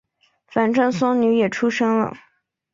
反正孙女也出生了